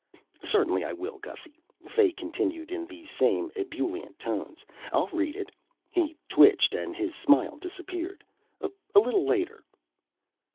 _" "Certainly I will, Gussy," Fay continued in the same ebullient tones. "I'll read it " he twitched and his smile disappeared "a little later."